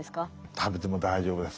食べても大丈夫です。